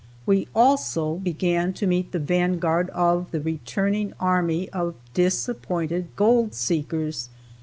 We also began to meet the vanguard of the returning army of disappointed gold seekers.